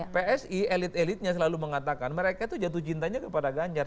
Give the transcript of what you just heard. psi elit elitnya selalu mengatakan mereka itu jatuh cintanya kepada ganjar